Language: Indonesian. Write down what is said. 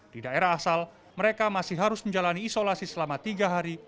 di daerah asal mereka masih harus menjalani isolasi selama tiga hari